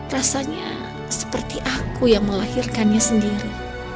rasanya seperti aku yang melahirkannya sendiri